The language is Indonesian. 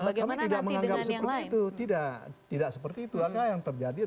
bagaimana nanti dengan yang lain